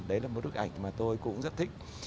đấy là một bức ảnh mà tôi cũng rất thích